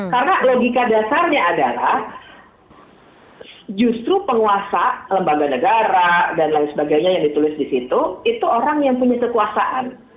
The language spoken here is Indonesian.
karena logika dasarnya adalah justru penguasa lembaga negara dan lain sebagainya yang ditulis di situ itu orang yang punya kekuasaan